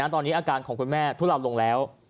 ตอนนี้อาการของคุณแม่ทุเลาลงแล้ว